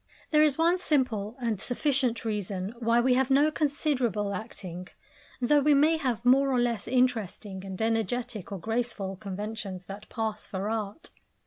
This is one simple and sufficient reason why we have no considerable acting; though we may have more or less interesting and energetic or graceful conventions that pass for art.